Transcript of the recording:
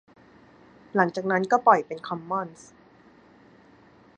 หลังจากนั้นก็ปล่อยเป็นคอมมอนส์